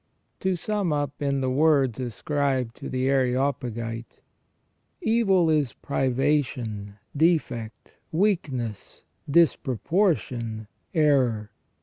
To sum up in the words ascribed to the Areopagite :" Evil is privation, defect, weakness, disproportion, error.